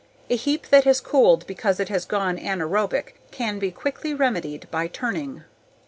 A heap that has cooled because it has gone anaerobic can be quickly remedied by turning.